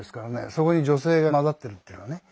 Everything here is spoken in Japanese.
そこに女性が交ざってるっていうようなね。